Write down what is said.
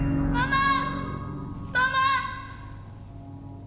ママ！